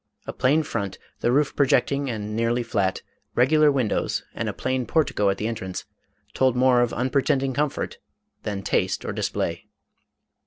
A plain front, the roof projecting and nearly flat, regular windows, and a plain portico at the entrance, told more of unpretending comfort than taste or display.